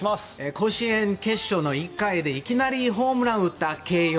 甲子園決勝の１回でいきなりホームランを打った慶応。